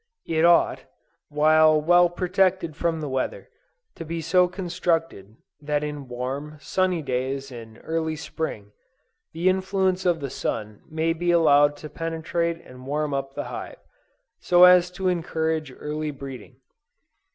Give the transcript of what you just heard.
It ought, while well protected from the weather, to be so constructed, that in warm, sunny days in early spring, the influence of the sun may be allowed to penetrate and warm up the hive, so as to encourage early breeding.